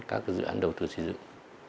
các dự án đầu tư xây dựng